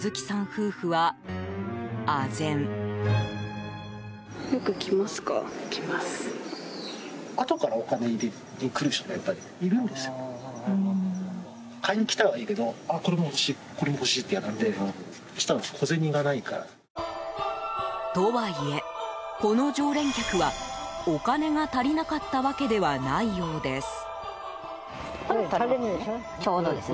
夫婦は、あぜん。とはいえ、この常連客はお金が足りなかったわけではないようです。